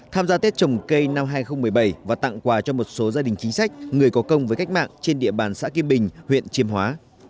tham gia tết trồng cây năm hai nghìn một mươi bảy và tặng quà cho một số gia đình chính sách người có công với cách mạng trên địa bàn xã kim bình huyện chiêm hóa